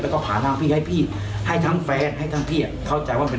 แล้วก็ผ่านหน้าพี่ให้พี่ให้ทั้งแฟนให้ทั้งพี่อ่ะเข้าใจว่าเป็น